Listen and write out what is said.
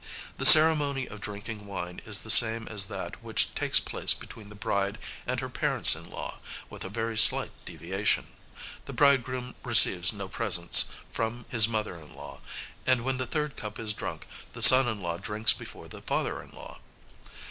(The ceremony of drinking wine is the same as that which takes place between the bride and her parents in law, with a very slight deviation: the bridegroom receives no presents from his mother in law, and when the third cup is drunk the son in law drinks before the father in law).